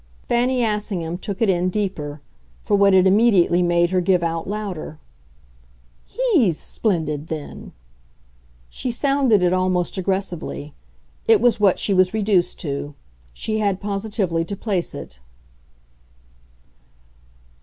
Fanny Assingham took it in deeper for what it immediately made her give out louder. "HE'S splendid then." She sounded it almost aggressively; it was what she was reduced to she had positively to place it.